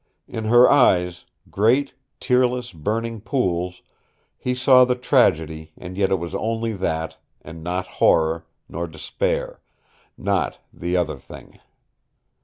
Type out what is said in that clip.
In her eyes great, tearless, burning pools he saw the tragedy and yet it was only that, and not horror, not despair, NOT the other thing.